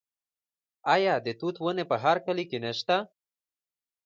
آیا د توت ونې په هر کلي کې نشته؟